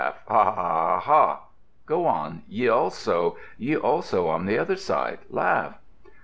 Ha, ha, ha, ha, ha! Go on, ye also. Ye also, on the other side, laugh."